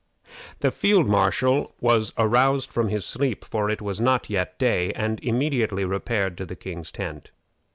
The field marshal was aroused from his sleep, for it was not yet day, and immediately repaired to the king's tent.